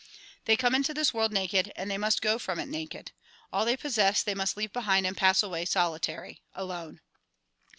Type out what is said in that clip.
They come into this world naked and they must go from it naked. All they possess they must leave behind and pass away solitary, alone.